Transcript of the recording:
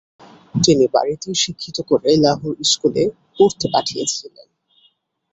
তিনি বাড়িতেই শিক্ষিত করে লাহোর স্কুলে পড়তে পাঠিয়েছিলেন।